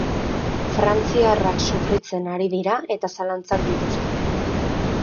Frantziarrak sufritzen ari dira eta zalantzak dituzte.